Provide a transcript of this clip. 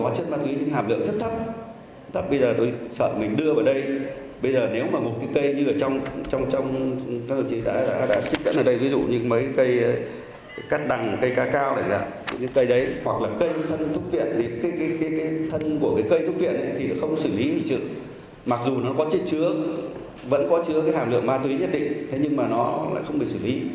cây thân của cây thuốc viện thì nó không xử lý hình sự mặc dù nó có chứa vẫn có chứa hàm lượng ma túy nhất định thế nhưng mà nó lại không bị xử lý